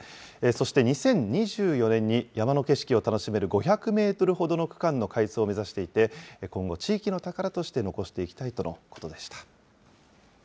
そして２０２４年に、山の景色を楽しめる５００メートルほどの区間の開通を目指していて、今後、地域の宝として残していきたいとのことでした。